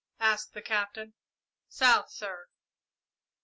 asked the Captain. "South, sir."